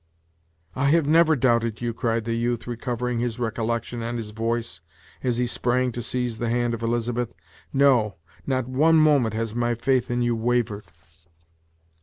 "I have never doubted you!" cried the youth, recovering his recollection and his voice, as he sprang to seize the hand of Elizabeth; "no, not one moment has my faith in you wavered."